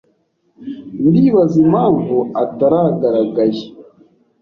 Ndibaza impamvu ataragaragaye.